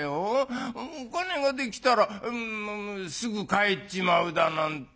お金ができたらすぐ帰っちまうだなんて。